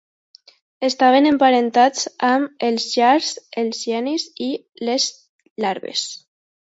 Estaven emparentats amb els Lars, els Genis i les Larves.